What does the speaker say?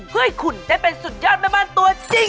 เพื่อให้คุณได้เป็นสุดยอดแม่บ้านตัวจริง